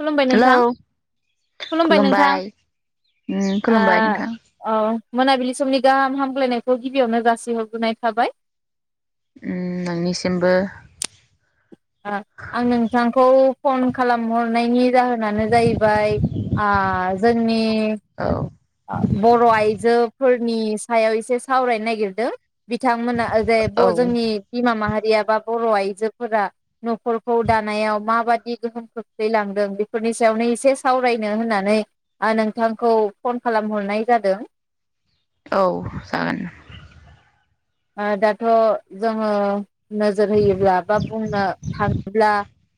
खुलुमबाय हेलौ नोंथां खुलुमबाय उम ओ खुलुमबाय नोंथां। औ मोनाबिलि समनि गाहाम हामग्लायनायखौ गिबियावनो जासिहरग्रोनाय थाबाय। उम नोंनिसिमबो ओ आं नोंथांखौ फन खालाम हरनायनि जाहोन नानो जाहैबाय आ जोंनि औ आ बर आइजोफोर नि सायाव एसे सावरायनो नागिरदो। बिथांमोना जे औ ब जोंनि बिमा माहा गैयाबा बर' आइजोफोरा नख'रखौ दानायाव माबादि गोहोम खोख्लैलांदों बेफोरनि सायावनो एसे सावरायनो होननानै ओ नोंथांखौ फन खालामहरनाय जादों। औ जागोन ओ दाथ' जोंङो नोजोर होयोब्ला बा बुंनो थाङोब्ला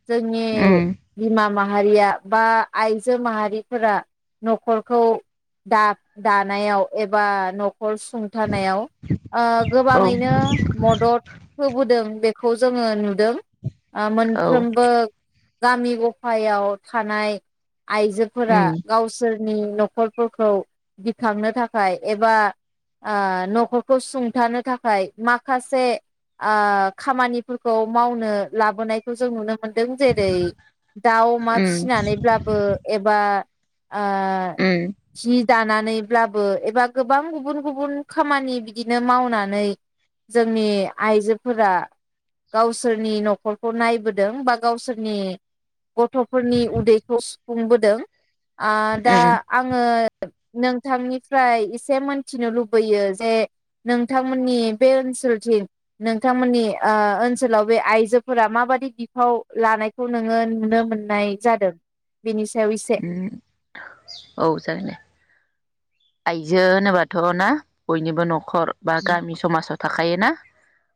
जोंनि उम बिमा माहारिया बा आइजो माहारिफोरा नख'रखौ दा- दानायाव एबा न हर सुंथानायाव ओ औ गोबाङैनो मदद होबो दों बेखौ जोङो नुदों। ओ औ मोनफ्रोमबो गामि गफायाव थानाय। आइजोफोरा उम गावसोर नि नखरफोरखौ गिखांनो थाखाय एबा ओ नख'रखौ सुंथानो थाखाय माखासे आ खामानिफोरखौ मावनो लाबोनायखौ जों नुनो मोनदों जेरै दाउ अमा उम फिसिनानैब्लाबो एबा आ उम सित दानानैब्लाबो एबा गोबां गुबुन गुबुन खामानि बिदिनो मावना नै जोंनि आइजोफोरा गावसोरनि नख'रखौ नायबोदों बा गावसोरनि गथ'फोरनि उदैखौ सु फुंबोदों। आ दा उम आंङो नोंथांनिफ्राय एसे मोनथिनो लुबैयो जे नों नोंथांमोननि बे ओनसोलथिं नोंथांमोननि ओ ओनसोलाव बे आइजोफोरा माबादि बिफाव लानायखौ नोङो नुनो मोननाय जादों? बिनि उम औ जागोन दे। आइजो होनोबाथ' ना बयनिबो नख खर बा गामि समाज थाखायोना?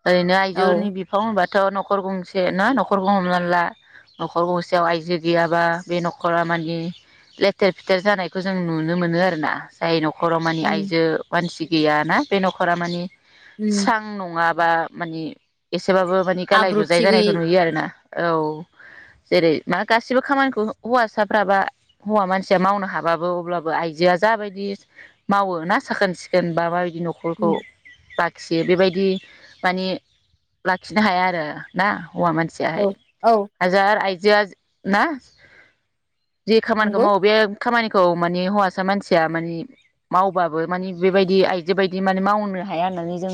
ओरैनो आइजोनि औ बिफाव होनबा थ न'खर गंसे ना न'खरखौ हमना ला न'खर गंसेयाव आयजो गैयाबा बे न'खरा मानि लेथेर फेथेर जानायखौ जों नुनो मोनो आरोना। जाय न' न'खरमानि उम आयजो मानसि गैयााना बे न'खरा मानि उम स्रां नङा बा मानि ए एसेबाबो मानि गालाय गुजाय आब्रुथि जानायखौ गैयि नुयो आरो ना। औ जेरै मा गासिबो खामानिखौ हौवासाफ्राबा हौवा मानसिया मावनो हाबाबो अब्लाबो आइजोआ जाबायदि मावो ना साखोन सिखोन बा बाय बि न'खरखौ उम बा खियो बेबायदि माने लाखिनो हाया आरो ना। हौवा मानसियाहाय औ औ हाजार आइ जोआ ना जि खामानिखौ नंगौ मावो बे खामानिखौ माने हौवासा मानसिया मानि मावबाबो मानि बेबायदि आयजो बायदि माने मावनो हाया होननानै जों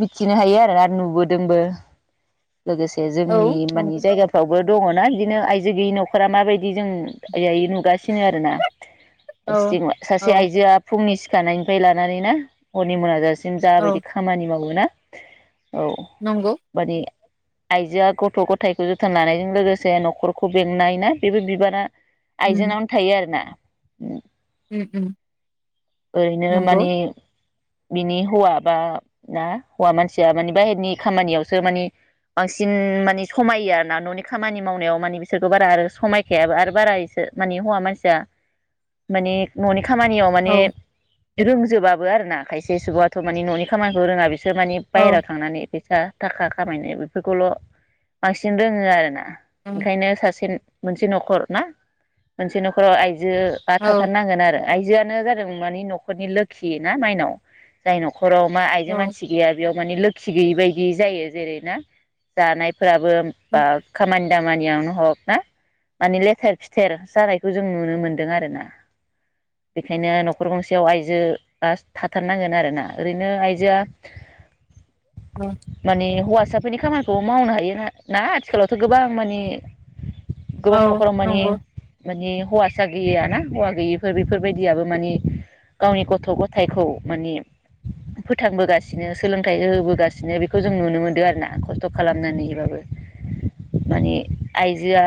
मिथिनो हायो आरो नुबोदोंबो । लोगोसे औ जोंनि माने नंगौ जायगाफ्रावबो दङ' ना बिदिनो आइजो गैयि नखरा माबायदि जों नुगासिनो आरोना। औ [unintelligible] औ आइजोआ फुंनि जानायनिफ्राय लानानै ना हरनि मोना जा सिम औ जाबायदि खामानि मावोना औ नंगौ माने आइजोआ गथ' गथायखौ जोथोन लानायजों लोगोसे न'खरखौ बेंनाय ना बेबो बिबाना उम आइजोनावनो थायो आरो ना । उम उम उम ओरैनो नंगौ मानि बिनि हौवा बा ना हौवा मानसिया माने बाहेरनि खामानियावसो मानि बांसिन माने समायो आरो ना न'नि खामानि मावनायाव मानि बिसोरखौ बारा आरो समायखायाबो आरो बारा इसो माने हौवा मानसिया मानि ननि खामानियाव औ माने रोंजोबाबो आरो ना खायसे सुबुंआथ मानि न'नि खामानिखौ रोङा बि सोर माने औ बाहेराव थांनानै बे सा थाखा खामायनाय बेफोरखौल बांसिन रोङो आरोना। उम ओंखायनो सासे मोनसे नखर ना मोनसे नखराव आइ जो बा औ थाथार नांगोन आरो। आइजोआनो जादों मानि नखरनि लोखि ना माइनाव जाय न खराव मा आइजो औ मानसि गैया बेयाव माने लोखि गैयि बायदि जायो जेरै ना जानाय फोराबो बा उम खामानि दामानियावनो हक ना माने लेथेर फिथेर जानायखौ जों नुनो मोनदों आरोना बेखायनो नखर गंसेयाव आइजोआ थाथारनांगोन आरोना ओरैनो आइजोआ उम माने हौवा फिसाफोरनि खामानिखौ मावनो हायो ना ना आथिखालावथ' गोबां माने औ गोबां औ नखराव माने नंगौ माने हौवासा गैया ना हौवा गैयिफोर बेफोरबायदियाबो माने गावनि गथ गथाइखौ माने फोथांबोगासिनो सोलोंथाइ होबोगासिनो बेखौ जों नुनो मोनदों आरो ना खस्थ खालामनानैबाबो माने आइजोआ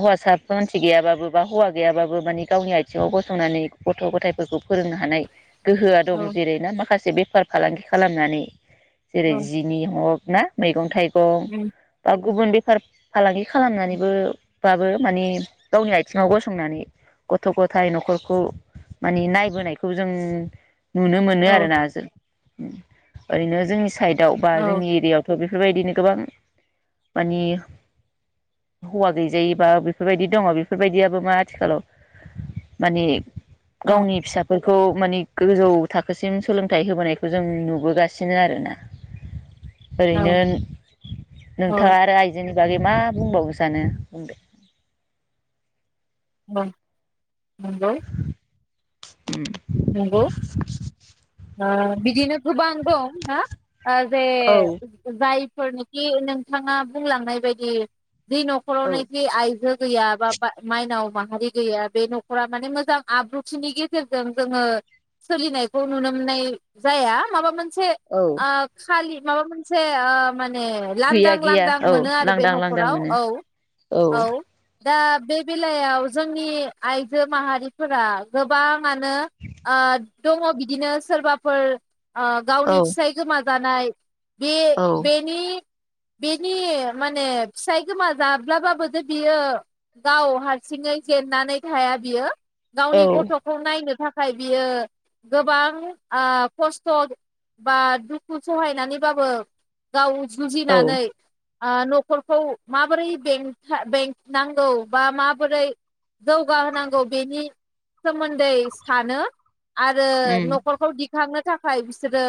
हौवासा मानसि गैयाबाबो बा हौवा गैयाबाबो माने गावनि आथिङाव गसंनानै गथ गथाइफोरखौ फोरोंनो हानाय गोहोआ दं औ जेरै ना माखासे बे फार फालांगि खालामनानै जेरै औ जिनि हग ना मैगं थाइ गं उम दा गुबुन बे फार फालांगि खालामनानैबो बाबो माने गावनि आथिङाव गसंनानै गथ' गथाइ नखरखौ माने नायबोनायखौ जों नुनो मोनो औ आरोना ओरैनो जोंनि साइडआव बा औ जोंनि एरियायावथ' बे फोरबायदिनो गोबां माने हौवा गैजायिबा बेफोरबायदि दङ बेफोरबायदियाबो मा आथिखालाव माने औ गावनि फिसाफोर खौ मानि गोजौ थाखोसिम सोलोंथाइ होबोनायखौ जों नुबोगासिनो आरोना । औ ओरैनो औ औ नोंथाङा आरो आइजोनि बागै मा बुंबावो सानो बुंदो । औ नंगौ । नंगौ ओ बिदिनो गोबां दं ना? ओ जे औ जाय फोरनोखि नोंथाङा बुंलांनाय बायदि जि औ नखरावनो खि आइजो गैया बा माइनाव माहारि गैया बे नखरा माने मोजां आब्रुथिनि गेजेरजों जोङो सोलिनायखौ नुनो मोननाय जाया माबा मोन से औ आ खालि माबा मोनसे ओ मान ए लांदां गैया गैया लांदां औ मोनो आरो बे लांदां लांदां नखराव मोनो औ औ दा बे बेलायाव जोंनि आइजो माहारिफोरा गोबाङानो ओ दङ बिदिनो सोरबाफोर ओ औ गावनि फिसाय गोमा जानाय बे औ बेनि बेनि माने फिसाय गोमा जाब्लाबाबोथ' बियो गाव हारसिङै जेननानै थाया बियो औ गावनि गथ'खौ नायनो था खाय बियो गोबां ओ खस्थ' बा दुखु सहायनानैबाबो गाव औ जुजिनानै ओ नखरखौ माबोरै बेंथा बेंनांगौ बा माबोरै जौगाहोनांगौ बेनि सोमोन्दै सानो आरो उम नखरखौ दिखांनो थाखाय बिसोरो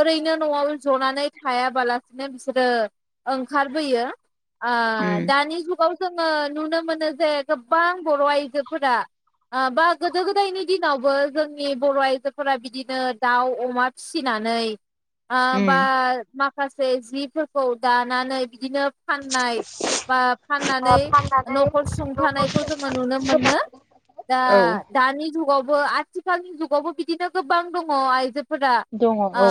ओरैनो नआव जनानै थायाबालासिनो बिसोरो ओंखारबोयो। ओ उम दानि जुगाव जोङो नुनो मोनो जे गोबां बर' आइजोफोरा ओ बा गोदो गोदायनि दिनावबो जोंनि बर' आइजोफोरा बिदिनो दाउ अमा फिसिनानै। ओ उम बा मा खासे जिफोरखौ दानानै बिदिनो फाननाय बा फाननानै नखर सुंथानायखौ जोङो नुनो मोनो दा औ दानि जुगावबो आथिखालनि जुगावबो बिदिनो गोबां दङ आइजो फौरा दङ ओ औ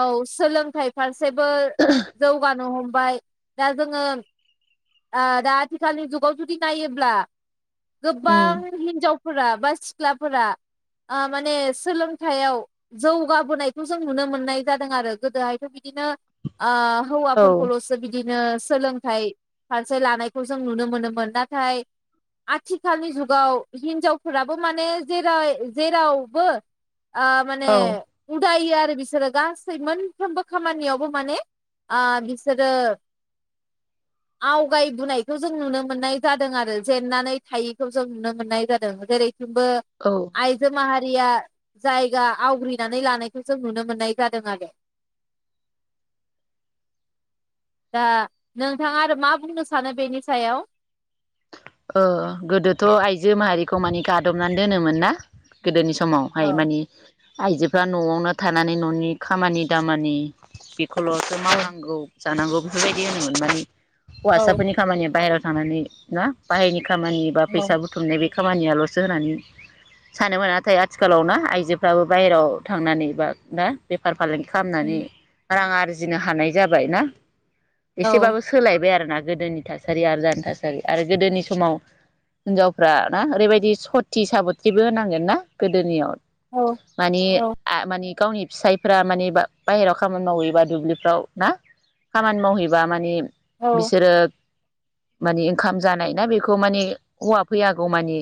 औ सोलोंथाइ फारसे सेबो जौगानो हम बाय दा जोङो ओ दा आथिखालनि जुगाव जुदि नायोब्ला उम गोबां हिनजावफोरा बा सि ख्लाफोरा ओ माने सोलोंथाइयाव जौगाबोनायखौ जों नुनो मोननाय जादों आरो गोदोहायथ' बि दिनो ओ औ हौवाफोरखौलसो बिदि ओ सोलोंथाइ फारसे लानायखौ जों नुनो मोनोमोन नाथाय आथिखालनि जुगाव हिनजावफोराबो माने जेरै- जेरावबो आ माने औ उदायो आरो बिसोरो गासै मोनफ्रोमबो खामानियावबो माने ओ बिसोरो आवगायबोनायखौ जों नुनो मोननाय जादों आरो जेननानै थायिखौ जों नुनो मोननाय जादों जेरै थिंबो औ आइजो माहा या जायगा आवग्रिनानै लानायखौ जों नुनो मोननाय जादों आरो। दा नोंथाङा आरो मा बुंनो सानो बेनि सायाव? ओ गोदोथ' आइजो माहारिखौ मानि गादबनानै दोनोमोन ना? गोदोनि समावहाय औ मानि आइजोफ्रा नआवनो थानानै ननि खामानि दामानि बे खौलसो औ मावनांगौ । जानांगौ बेफोरबायदि होनोमोन माने। औ हौवासाफोरनि खामानिया बाहेरायाव थानानै ना। बाहायनि खामानि बा फैसा बुथुमनाय बे खामानियालसो होनानै सानोमोन नाथाय आथिखालाव ना आइजोफ्राबो बाहेरायाव थांनानै ना बेफार। फालांगि खालामनानै रां आर आरजिनो हानाय जाबाय ना। औ एसेबाबो सोलायबाय आरोना। गोदोनि थासारि आरो दानि थासारि आरो गोदोनि समाव हिनजावफ्रा ना ओरैबायदि सथि साबत्रिबो होननांगोन ना गोदोनियाव। औ मानि औ आ मानि। गावनि फिसायफ्रा माने बा बाहेराव खामानि मावहैबा दुब्लिफ्राव ना खामानि मावहैबा माने। औ बिसोरो माने ओंखाम जानाय ना बेखौ माने हौवा फैयागौ मानि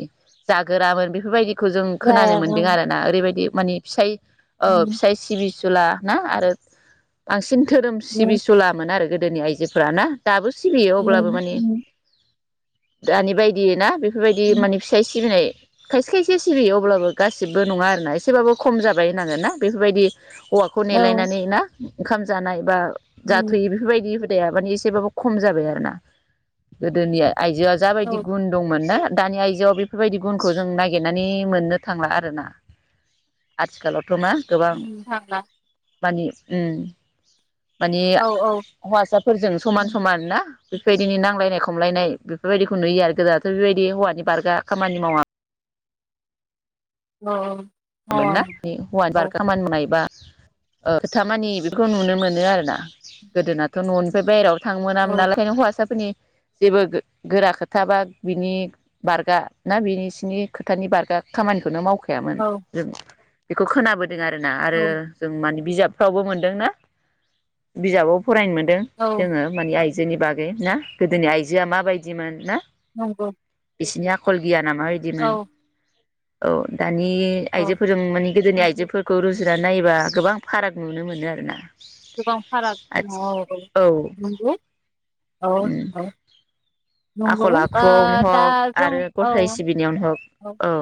जागोरामोन बेफोरबायदि खो जों खोनानो जाया मोन्दों आरोना ओरैबायदि माने फिसाइ ओ ओम फिसाय सिबि सुला ना आरो बांसिन धोरोम उम सिबिसुला मोन आरो गोद दोनि आइजोफोरा ना दाबो सिबियो अब्लाबो उम माने उम दानि बायदि ना बेफ फोरबायदि उम माने फिसाइ सिबिनाय खायसे खायसे सिबियो अब्लाबो गासिबो नङा आरोना एसेबाबो खम जाबाय होनांगोन ना बेफोरबायदि हौवाखौ औ नेलायनानै ना ओंखाम जानाय बा उम जाथयो बेफोरबायदि [unintelligible] माने एसेबाबो खम जाबाय आरो ना गोदोनिया बियोआ जाबायदि औ गुन दंमोन ना दानि आइजोआव बेफोरबायदि गुनखौ जों नागिरनानै मोननो थांला आरोना आथिखालाव त्रमा गोबां उम थांला मानि उम माने औ औ हौवासाफोरजों समान उम समान ना बेफोरबायदिनो नांलायनाय खमलायनाय बेफोरबायदिखौ नुयो आरो गोदोयावथ' बेबायदि हौवानि बारग्रा खामानि मावा अ मोनना हौवानि बारगा खामानि मावनाय बा ओ खामानि बेफोरखौ नुनो मोनो आरोना गोदोनाथ ननिफ्राय बायहेराव थां मोनामोना औ [unintelligible] हौवासाफोरनि जेबो गो-गोरा खोथा बा बिनि बारगा ना बिसिनि खोथानि बारगा खामानिखौनो मावना खायामोन औ औ बेखौ खोनाबाय आरोना आरो औ जों मानि बिजाबफ्रावबो मोनदोंना बिजाबाव फरायनो मोनदों जोङो मानि आइजो जोंनि बागै ना गोदोनि आइजोआ माबायदिमोन ना नंगौ बिसोरनि आखल गियाना औ माबायदिमोन औ दानि औ आइजोफोरजों माने गोदोनि नंगौ आइजोफोरखौ रुजु जुनानै नायोबा गोबां फाराग नुनो मोनो आरो ना गोबां फाराग दङ औ औ नंगौ औ औ नंगौ आखल ओ आखुआवनो दा हग जों आरो औ गसाइ सिबिनायावनो हग औ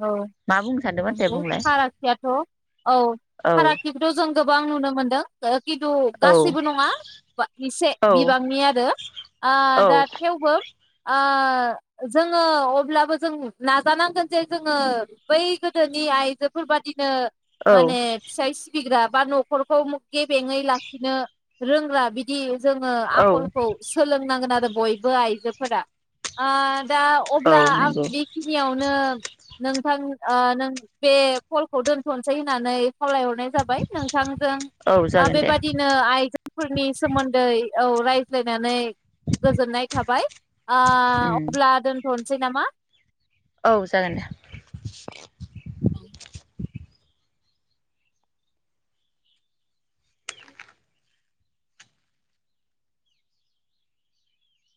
औ मा बुंनो सानदोंमोन दे बुंलाय फारागथियाथ औ औ फारागथिखौथ जों गोबां नुनो मोनदों किन्तु औ गासैबो नङा [unintelligible] एसे औ बिबांनि आरो आ औ दा थेवबो आ जोङो अब्लाबो जों नाजानांगोन जे जोङो बै गोदोनि आइजोफोर बादिनो औ माने फिसाय सिबिग्रा बा न'खरखौ गेबेङै लाखिनो रोंग्रा बिदि जोङो औ आखलखौ सोलोंनांगोन आरो बयबो आइजोफोरा ओ दा औ अब्ला आं नंगौ बेखिनियावनो नोंथां नों बे कलखौ दोनथनोसै होननानै खावलायहर नाय जाबाय नोंथांजों औ जागोन दे बेबायादिनो आइजोफोरनि सोमोन्दै औ रायज्लायनानै गोजोननाय थाबाय आ उम अब्ला थनोसै नामा औ जागोन दे औ